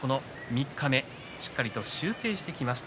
三日目しっかり修正してきました